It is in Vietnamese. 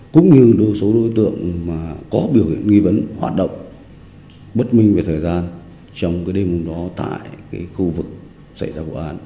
cũng như đối tượng có biểu hiện nghi vấn hoạt động bất minh về thời gian trong đêm hôm đó tại khu vực xảy ra vụ án